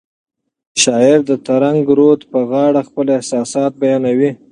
شاعر د ترنګ رود په غاړه خپل احساسات بیانوي.